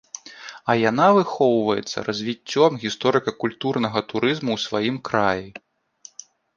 А яна выхоўваецца развіццём гісторыка-культурнага турызму ў сваім краі.